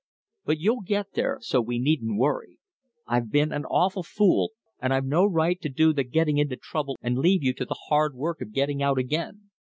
But you'll get there, so we needn't worry. I've been an awful fool, and I've no right to do the getting into trouble and leave you to the hard work of getting out again.